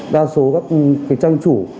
đa số các trang chủ